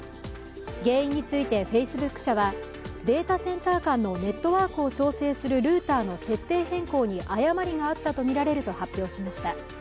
原因についてフェイスブック社はデータセンター間のネットワークを調整するルータの設定変更に誤りがあったとみられると発表しました。